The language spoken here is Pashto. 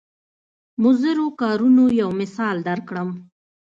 مضرو کارونو یو مثال درکړم.